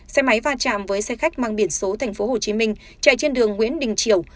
xe máy va chạm với xe khách mang biển số tp hcm chạy trên đường nguyễn đình triều